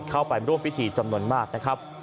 เข้าไปร่วมพิธีจำนวนมากนะครับ